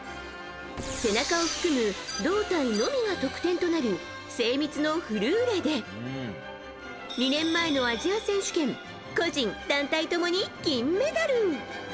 背中を含む胴体のみが得点となる精密のフルーレで２年前のアジア選手権個人、団体共に金メダル。